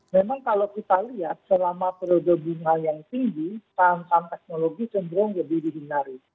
memang kalau kita lihat selama periode bunga yang tinggi saham saham teknologi cenderung lebih dihindari